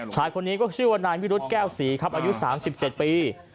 ชายคนนี้ก็ชื่อว่านายวิรุธแก้วศรีครับอายุ๓๗ปี